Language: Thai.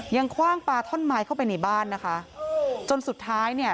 คว่างปลาท่อนไม้เข้าไปในบ้านนะคะจนสุดท้ายเนี่ย